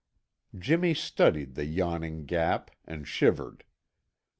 Jimmy studied the yawning gap and shivered.